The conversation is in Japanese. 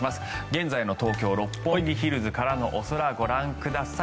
現在の東京・六本木ヒルズからのお空ご覧ください。